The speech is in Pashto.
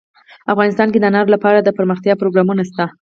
افغانستان کې د انار لپاره دپرمختیا پروګرامونه شته.